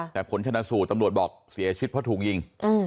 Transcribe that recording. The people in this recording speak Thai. แต่ผลชนะสูตรตำรวจบอกเสียชีวิตเพราะถูกยิง